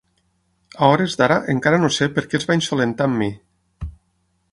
A hores d'ara encara no sé per què es va insolentar amb mi.